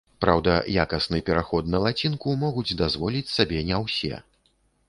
Праўда, якасны пераход на лацінку могуць дазволіць сабе не ўсе.